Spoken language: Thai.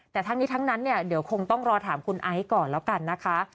แต่ทั้งนี้ทั้งนั้นเนี่ยเดี๋ยวคงต้องรอถามคุณไอซ์ก่อนแล้วกันนะคะ